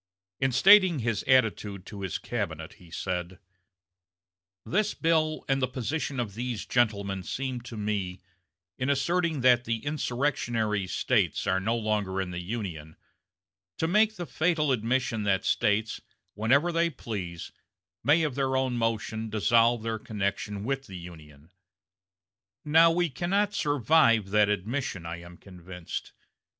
In stating his attitude to his cabinet he said: "This bill and the position of these gentlemen seem to me, in asserting that the insurrectionary States are no longer in the Union, to make the fatal admission that States, whenever they please, may of their own motion dissolve their connection with the Union. Now we cannot survive that admission, I am convinced.